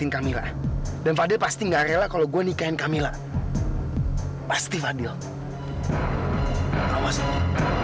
camilla disembunyiin dimana